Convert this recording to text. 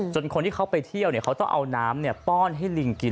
คนที่เขาไปเที่ยวเขาต้องเอาน้ำป้อนให้ลิงกิน